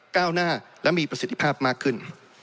ก้าวหน้าและมีประสิทธิภาพมากขึ้น